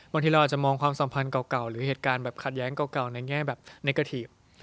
บางทีเราอาจจะมองความสัมพันธ์เก่าหรือเหตุการณ์แบบขัดแย้งเก่าในแง่แบบในกระถีบ